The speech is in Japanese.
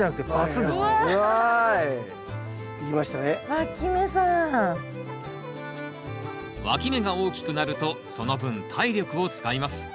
わき芽が大きくなるとその分体力を使います。